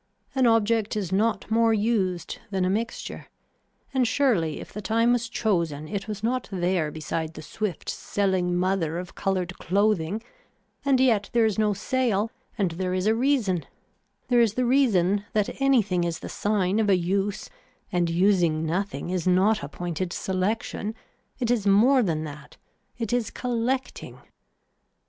An object is not more used than a mixture and surely if the time was chosen it was not there beside the swift selling mother of colored clothing, and yet there is no sale and there is a reason, there is the reason that anything is the sign of a use and using nothing is not a pointed selection, it is more than that, it is collecting.